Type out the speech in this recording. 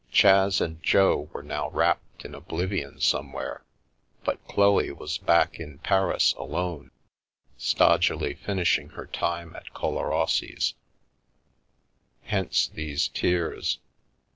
Chas and Jo were now wrapt in ob livion somewhere, but Chloe was back in Paris alone, stodgily finishing her time at Collarossi's. Hence these tears.